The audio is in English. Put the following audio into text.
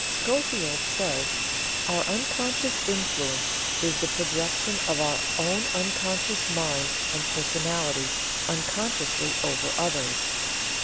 Schofield says: "Our unconscious influence is the projection of our unconscious mind and personality unconsciously over others.